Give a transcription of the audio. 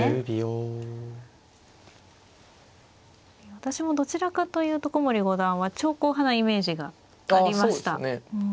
私もどちらかというと古森五段は長考派のイメージがありました。